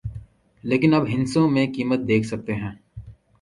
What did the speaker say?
لیکن آپ ہندسوں میں قیمت دیکھ سکتے ہیں